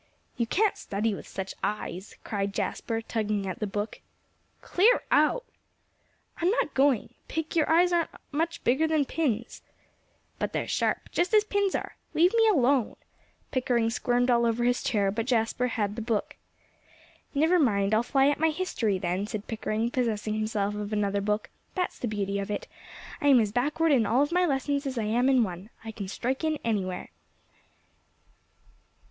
"You can't study with such eyes," cried Jasper, tugging at the book. "Clear out!" "I'm not going. Pick, your eyes aren't much bigger than pins." "But they're sharp just as pins are. Leave me alone." Pickering squirmed all over his chair, but Jasper had the book. "Never mind, I'll fly at my history, then," said Pickering, possessing himself of another book; "that's the beauty of it. I'm as backward in all of my lessons as I am in one. I can strike in anywhere."